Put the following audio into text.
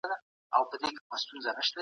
عام خلګ نالوستي وو.